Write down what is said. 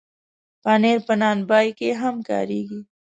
پنېر په نان بای کې هم کارېږي.